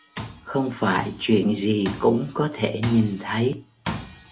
Không phải chuyện gì cũng có thể nhìn thấy